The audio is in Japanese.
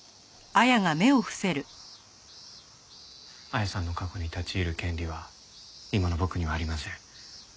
彩さんの過去に立ち入る権利は今の僕にはありません。